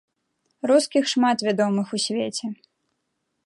Рускіх шмат вядомых у свеце.